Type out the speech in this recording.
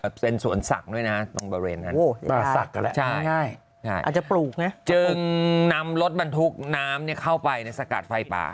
เป็นส่วนศักดิ์ด้วยนะตรงเบอร์เรนอาจจะปลูกจึงนำรถบรรทุกน้ำเข้าไปในสกัดไฟป่า